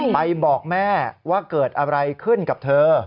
บอกแม่ว่าเกิดอะไรขึ้นกับเธอ